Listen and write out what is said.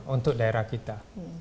untuk daerah kita